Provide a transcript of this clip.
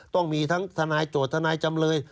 ต้องมีทั้งทนายโจทย์ทนายจำเลย